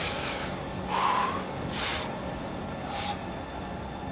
ハァ。